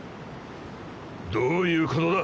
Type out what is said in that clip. どういうことだ